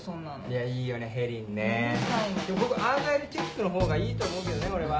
ここアーガイルチェックのほうがいいと思うけどね俺は。